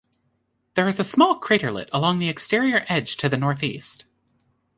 There is a small craterlet along the exterior edge to the northeast.